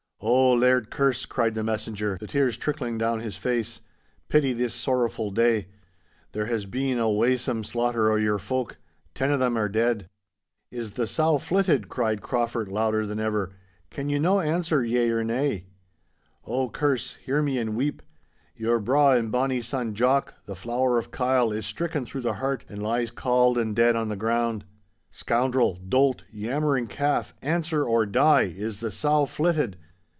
'Oh, Laird Kerse,' cried the messenger, the tears trickling down his face, 'pity this sorrowfu' day! There has been a waesome slaughter o' your folk—ten o' them are dead—' 'Is the sow flitted?' cried Crauford, louder than ever. 'Can you no answer, yea or nay?' 'Oh, Kerse, hear me and weep; your braw and bonny son Jock, the flower of Kyle, is stricken through the heart, and lies cauld and dead on the ground.' 'Scoundrel, dolt, yammering calf, answer or die. Is the sow flitted?